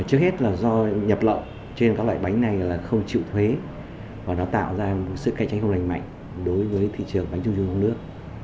trước hết là do nhập lậu trên các loại bánh này là không chịu thuế và nó tạo ra sự cạnh tranh không lành mạnh đối với thị trường bánh trung thu trong nước